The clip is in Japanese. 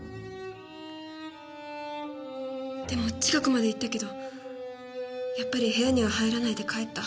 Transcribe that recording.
でも近くまで行ったけどやっぱり部屋には入らないで帰った。